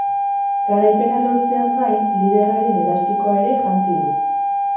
Garaipena lortzeaz gain, liderraren elastikoa ere jantzi du.